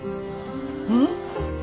うん。